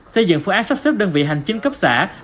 xây dựng phương án sắp xếp đơn vị hành chính cấp xã